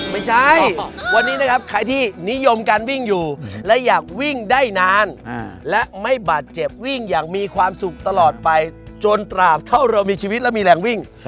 ไม่ใช่วันนี้นะครับใครที่นิยมการวิ่งอยู่และอยากวิ่งได้นานและไม่บาดเจ็บวิ่งอย่างมีความสุขตลอดไปจนตราบเท่าเรามีชีวิตและมีแรงวิ่ง